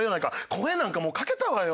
声なんかもうかけたわよ。